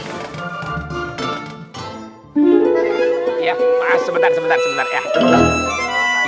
ya maaf sebentar sebentar sebentar ya